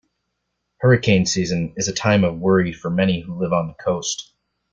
Hurricane season is a time of worry for many who live on the coast.